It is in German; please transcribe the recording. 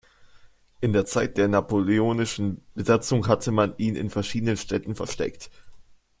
In der Zeit der napoleonischen Besatzung hatte man ihn in verschiedenen Städten versteckt.